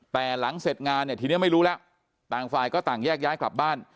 แต่หลังเสร็จงานเนี่ยทีนี้ไม่รู้แล้วต่างฝ่ายก็ต่างแยกย้ายกลับบ้าน